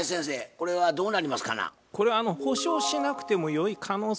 これはどうなりますかな？